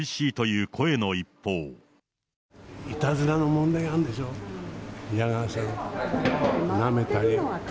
いたずらの問題があるでしょ、嫌がらせの、なめたり。